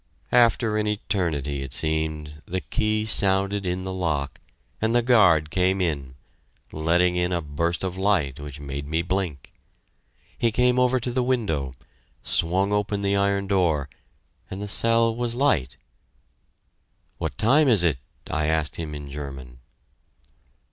After an eternity, it seemed, the key sounded in the lock and the guard came in, letting in a burst of light which made me blink. He came over to the window, swung open the iron door, and the cell was light! "What time is it?" I asked him in German.